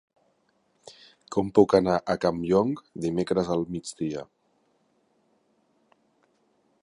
Com puc anar a Campllong dimecres al migdia?